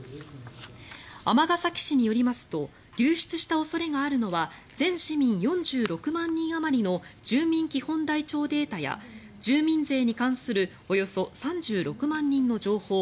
尼崎市によりますと流出した恐れがあるのは全市民４６万人あまりの住民基本台帳データや住民税に関するおよそ３６万人の情報